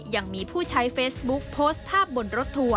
ยังมีผู้ใช้เฟซบุ๊คโพสต์ภาพบนรถทัวร์